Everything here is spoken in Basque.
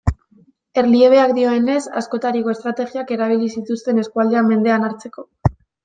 Erliebeak dioenez, askotariko estrategiak erabili zituzten eskualdea mendean hartzeko.